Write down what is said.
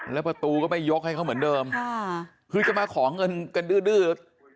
แล้วประตูก็ไม่ยกให้เขาเหมือนเดิมค่ะคือจะมาขอเงินกันดื้อดื้อ